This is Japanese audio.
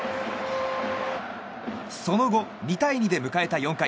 その後、２対２で迎えた４回。